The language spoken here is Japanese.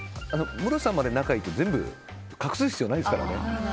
ムロさんまで仲がいいと全部隠す必要ないですからね。